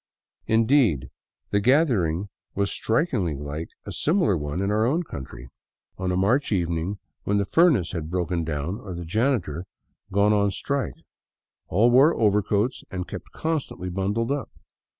Indeed, the gathering was strikingly like a similar one in our own country — on a March 32 THE CLOISTERED CITY evening when the furnace had broken down or the janitor gone on strike. All wore overcoats and kept constantly bundled up.